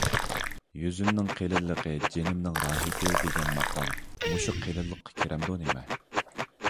«يۈزۈمنىڭ قېلىنلىقى جېنىمنىڭ راھىتى» دېگەن ماقال مۇشۇ قېلىنلىققا كىرەمدۇ نېمە؟